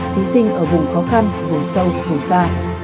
thí sinh ở vùng khó khăn vùng sâu vùng xa